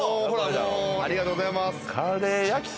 ありがとうございます